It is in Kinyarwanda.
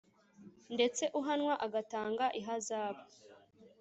ndetse uhanwa agatanga ihazabu